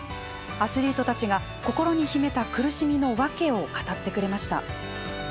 アスリートたちが心に秘めた苦しみの訳を語ってくれました。